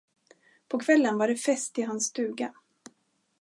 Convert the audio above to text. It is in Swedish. På kvällen var det fest i hans stuga.